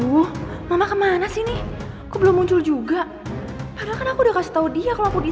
hai aduh mama kemana sini belum muncul juga udah kasih tahu dia kalau aku di